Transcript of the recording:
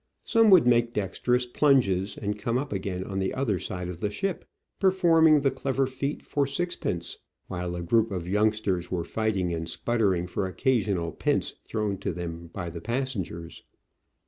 Some would make dexterous plunges and come up again on the other side of the ship, performing the clever feat for sixpence, while a group of youngsters were fighting and sputtering for occasional pence thrown to them by the pas sengers.